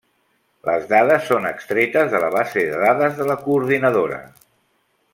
Les dades són extretes de la base de dades de la Coordinadora.